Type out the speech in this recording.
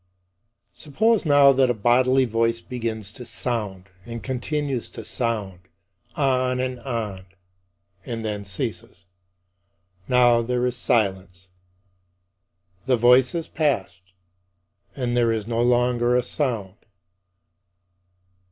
Suppose now that a bodily voice begins to sound, and continues to sound on and on and then ceases. Now there is silence. The voice is past, and there is no longer a sound.